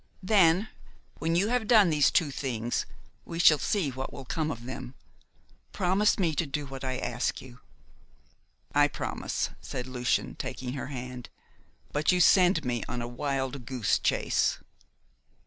"Then when you have done these two things we shall see what will come of them. Promise me to do what I ask you." "I promise," said Lucian, taking her hand, "but you send me on a wild goose chase."